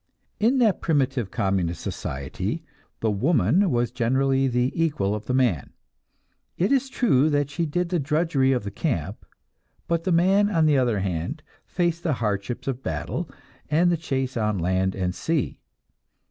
In that primitive communist society, the woman was generally the equal of the man. It is true that she did the drudgery of the camp, but the man, on the other hand, faced the hardships of battle and the chase on land and sea.